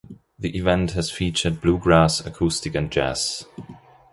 The event has featured bluegrass, acoustic and jazz.